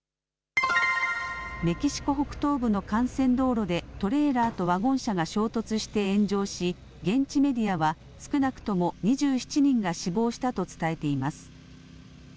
メキシコ北東部の幹線道路でトレーラーとワゴン車が衝突して炎上し現地メディアは少なくとも２７人が死亡したと伝えています。